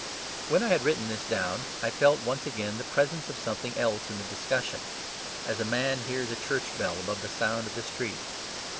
When I had written this down, I felt once again the presence of something else in the discussion: as a man hears a church bell above the sound of the street.